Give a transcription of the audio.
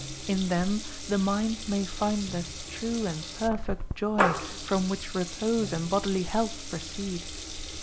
In them the mind may find that true and perfect joy from which repose and bodily health proceed.